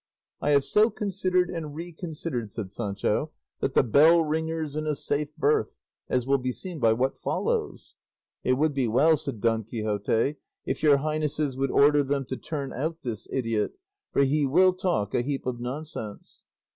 "I have so considered and reconsidered," said Sancho, "that the bell ringer's in a safe berth; as will be seen by what follows." "It would be well," said Don Quixote, "if your highnesses would order them to turn out this idiot, for he will talk a heap of nonsense."